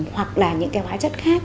hoặc là những cái hóa chất khác